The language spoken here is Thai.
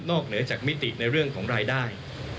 เหนือจากมิติในเรื่องของรายได้